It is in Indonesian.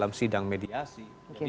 di sidang mediasi